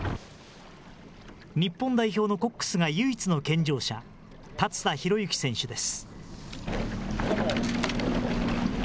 日本代表のコックスが唯一の健常者、立田寛之選手です。